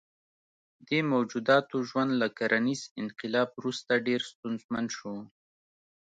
دې موجوداتو ژوند له کرنیز انقلاب وروسته ډېر ستونزمن شو.